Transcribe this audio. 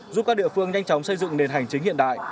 giúp các địa phương nhanh chóng xây dựng nền hành chính hiện đại